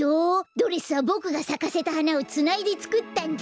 ドレスはボクがさかせたはなをつないでつくったんだ。